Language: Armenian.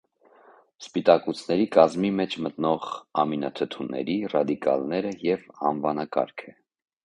Սպիտակուցների կազմի մեջ մտնող ամինաթթուների ռադիկալները և անվանակարգը։